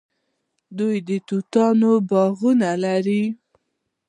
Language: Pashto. دوی د توتانو باغونه لري.